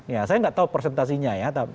ya saya nggak tahu presentasinya ya